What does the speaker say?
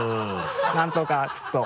なんとかちょっと。